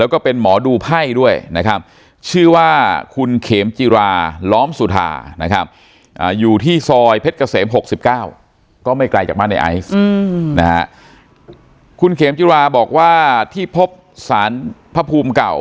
ก็ไม่ไกลจากบ้านในไอซ์คุณเขมจิราบอกว่าที่พบสารพระภูมิเก่า